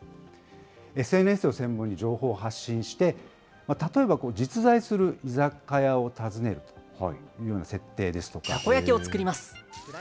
ＳＮＳを専門に情報を発信して、例えば、実在する居酒屋を訪ねるというような設定ですとか。